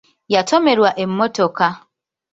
Yatomerwa emmotoka.